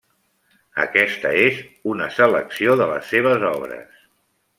Aquesta és una selecció de les seves obres.